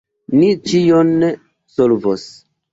Ni ĉion solvos.